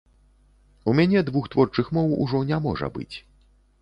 У мяне двух творчых моў ужо не можа быць.